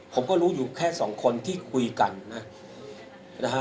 ผมก็รู้อยู่แค่๒คนที่คุยกันนะครับ